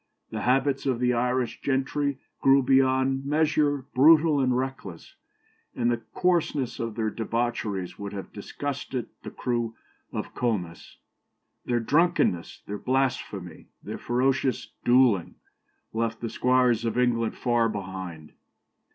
The habits of the Irish gentry grew beyond measure brutal and reckless, and the coarseness of their debaucheries would have disgusted the crew of Comus. Their drunkenness, their blasphemy, their ferocious duelling, left the squires of England far behind.